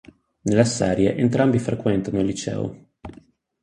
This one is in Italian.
Nella serie entrambi frequentano il liceo.